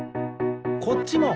こっちも！